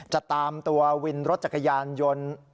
จะตามตัววินรถจักรยานยนต์